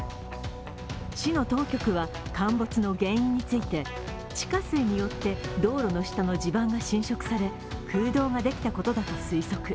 市の当局は、陥没の原因について地下水によって道路の下の地盤が浸食され空洞ができたことだと推測。